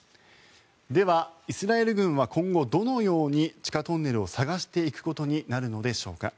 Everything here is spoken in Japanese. では、イスラエル軍は今後どのように地下トンネルを探していくことになるのでしょうか。